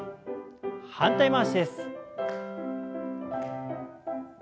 反対回しです。